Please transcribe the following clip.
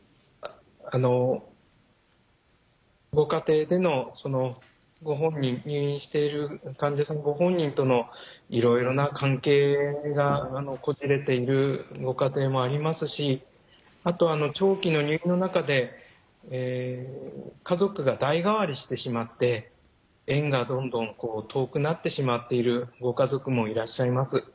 ご家庭での、患者さんご本人とのいろいろな関係がこじれているご家庭もありますしあとは長期の入院の中で家族が代替わりしてしまって縁がどんどん遠くなってしまっているご家族もいらっしゃいます。